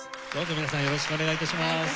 どうぞ皆さんよろしくお願い致します。